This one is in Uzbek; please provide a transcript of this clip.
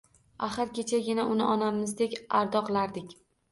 Axir kechagina uni onamizdek ardoqlardik.